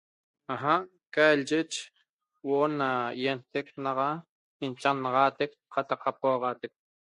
Aja calye huoo' na ienateqpi naxa inchannaxatec cataq poxatec